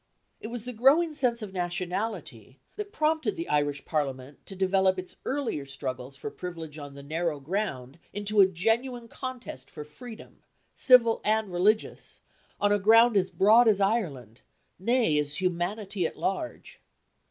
It was the growing sense of nationality that prompted the Irish Parliament to develop its earlier struggles for privilege on the narrow ground into a genuine contest for freedom, civil and religious, on a ground as broad as Ireland, nay, as humanity at large.